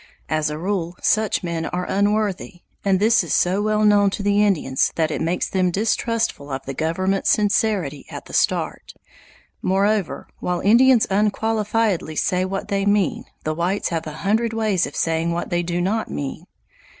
As a rule such men are unworthy, and this is so well known to the Indians that it makes them distrustful of the government's sincerity at the start. Moreover, while Indians unqualifiedly say what they mean, the whites have a hundred ways of saying what they do not mean.